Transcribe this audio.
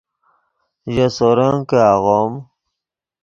ژے سورن کہ آغوم